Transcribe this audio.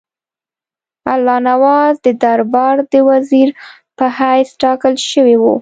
الله نواز د دربار د وزیر په حیث ټاکل شوی وو.